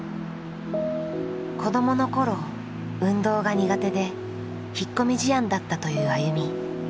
子どもの頃運動が苦手で引っ込み思案だったというＡＹＵＭＩ。